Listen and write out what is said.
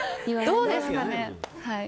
どうですかね。